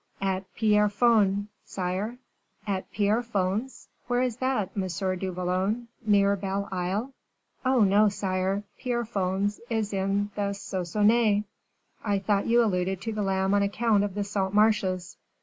"At Pierrefonds, sire." "At Pierrefonds; where is that, M. du Vallon near Belle Isle?" "Oh, no, sire! Pierrefonds is in the Soissonnais." "I thought you alluded to the lamb on account of the salt marshes."